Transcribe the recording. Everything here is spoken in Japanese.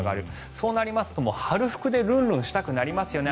そうなりますと春服でルンルンしたくなりますよね。